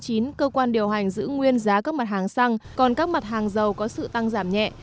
ngày sáu chín cơ quan điều hành giữ nguyên giá các mặt hàng xăng còn các mặt hàng dầu có sự tăng giảm nhẹ